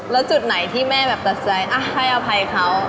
แล้วจุดไหนที่แม่แบบตัดใจให้อภัยเขา